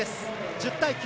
１０対９。